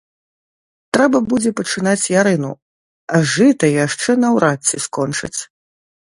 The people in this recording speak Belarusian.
Трэба будзе пачынаць ярыну, а жыта яшчэ наўрад ці скончаць.